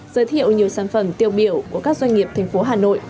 giới thiệu nhiều sản phẩm tiêu biểu của các doanh nghiệp thành phố hà nội